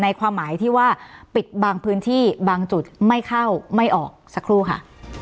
ความหมายที่ว่าปิดบางพื้นที่บางจุดไม่เข้าไม่ออกสักครู่ค่ะ